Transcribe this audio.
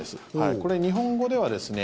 これ、日本語ではですね